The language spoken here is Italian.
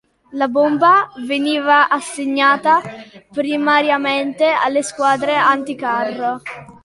La bomba veniva assegnata primariamente alle squadre anticarro.